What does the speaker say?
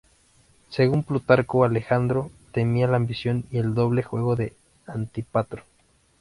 Según Plutarco, Alejandro temía la ambición y el doble juego de Antípatro.